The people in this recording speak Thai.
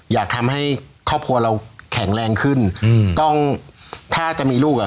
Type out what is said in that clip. อยากทำให้ครอบครัวเราแข็งแรงขึ้นอืมต้องถ้าจะมีลูกอ่ะ